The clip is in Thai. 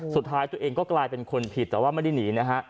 สุดท้ายตัวเองก็กลายเป็นคนผิดแต่ว่าไม่ได้หนีนะฮะ